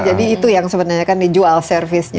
itu yang sebenarnya kan dijual servisnya